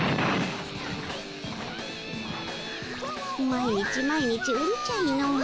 毎日毎日うるちゃいのう。